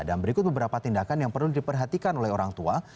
dan berikut beberapa tindakan yang perlu diperhatikan oleh orang tua